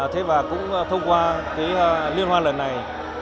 thế và cũng thông qua cái liên hoan lần này